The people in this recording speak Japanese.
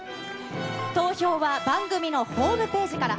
投票は番組のホームページから。